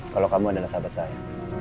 kalau kamu adalah sahabat saya